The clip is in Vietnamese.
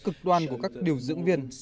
cực đoan của các điều dưỡng viên